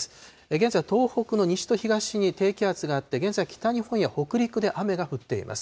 現在、東北の西と東に低気圧があって、現在、北日本や北陸で雨が降っています。